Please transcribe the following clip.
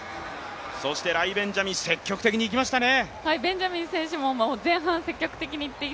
そしてライ・ベンジャミン、積極的にいきましたね。